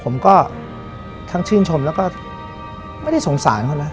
ผมก็ทั้งชื่นชมแล้วก็ไม่ได้สงสารเขานะ